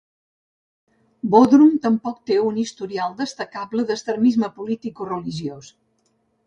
Bodrum tampoc no té un historial destacable d'extremisme polític o religiós.